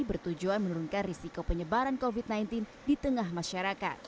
bertujuan menurunkan risiko penyebaran covid sembilan belas di tengah masyarakat